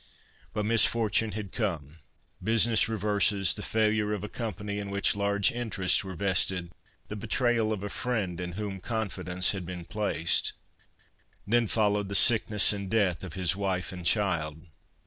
But misfortune had come, business reverses, the failure of a company in which large interests were vested, the betrayal of a friend in whom confidence had been placed. Then followed the sickness and death of his wife and child.